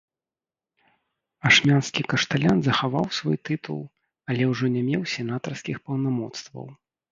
Ашмянскі кашталян захаваў свой тытул, але ўжо не меў сенатарскіх паўнамоцтваў.